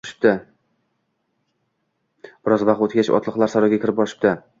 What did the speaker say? Biroz vaqt o‘tgach, otliqlar saroyga kirib borishibdi